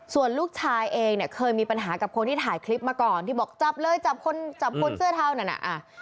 ส่วนลูกชายเองเนี่ยเคยมีปัญหากับคนที่ถ่ายคลิปมาก่อนที่บอกจับเลยจับคนจับคนเสื้อเทานั่นน่ะ